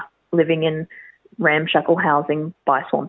hidup di kondisi ramshackle di kawasan swamp